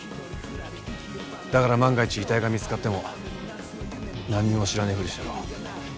だから万が一遺体が見つかってもなんにも知らねえふりをしろ。